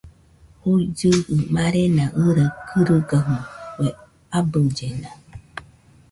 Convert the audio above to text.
Juigɨjɨ marena ɨraɨ kɨrɨgaɨmo, kue abɨllena